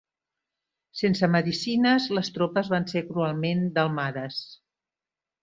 Sense medicines, les tropes van ser cruelment delmades.